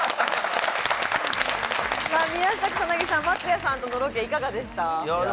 宮下草薙さん、松也さんとのロケいかがでしたか。